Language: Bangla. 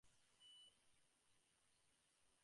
তুমি খুঁড়িয়ে-খুড়িয়ে ঘরে ঢুকলে, সেখান থেকে অনুমান করেছি।